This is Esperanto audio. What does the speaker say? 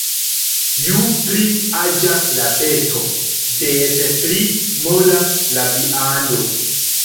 Ju pli aĝa la besto, des pli mola la viando.